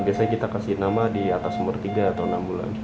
biasanya kita kasih nama di atas umur tiga atau enam bulan